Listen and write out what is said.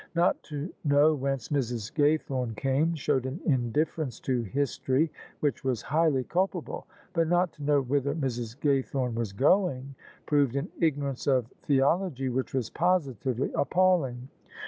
Not to know whence Mrs. Gaythorne came, showed an indifference to history which was highly culpable ; but not to know whither Mrs. Gaythome was going, proved an ignorance of the ology which was positively appalling.